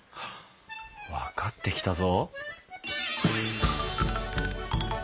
分かってきたぞ。